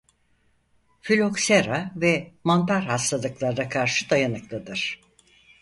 Filoksera ve mantar hastalıklarına karşı dayanıklıdır.